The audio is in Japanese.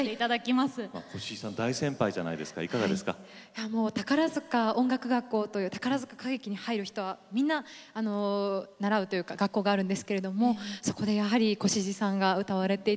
いやもう宝塚音楽学校という宝塚歌劇に入る人はみんな習うというか学校があるんですけれどもそこでやはり越路さんが歌われていた曲